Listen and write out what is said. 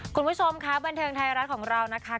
คุณผู้ชมค่ะบันเทิงไทยรัฐของเรานะคะ